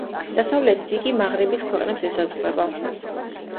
დასავლეთით იგი მაღრიბის ქვეყნებს ესაზღვრება.